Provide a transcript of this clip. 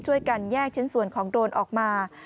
ช่วยกันแยกชิ้นส่วนของโดรนออกมา